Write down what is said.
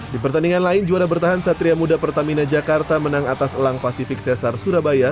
di pertandingan lain juara bertahan satria muda pertamina jakarta menang atas elang pasifik cesar surabaya